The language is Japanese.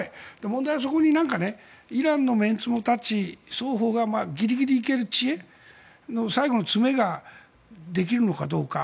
問題はそこにイランのメンツも立ち双方がギリギリ行ける知恵の最後の詰めができるのかどうか。